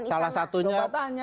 istana salah satunya